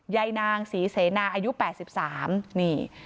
ใยนางศรีเสนาอายุแปดสิบสามนี่